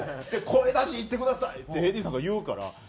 「声出しいってください」ってＡＤさんが言うから。